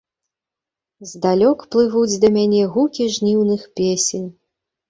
Здалёк плывуць да мяне гукі жніўных песень.